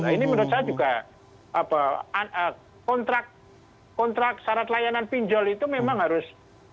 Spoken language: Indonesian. ini menurut saya juga kontrak syarat layanan pinjol itu memang harus